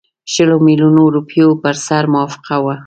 شلو میلیونو روپیو پر سر موافقه وه.